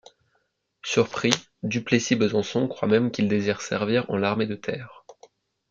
Surpris, DuPlessis Besançon croit même qu'il désire servir en l'armée de terre.